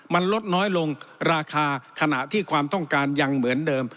มันลดน้อยลงราคาขณะที่ความต้องการยังเหมือนเดิม